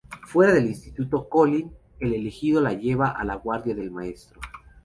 Fuera del instituto, Collin, el elegido la lleva a la guarida del Maestro.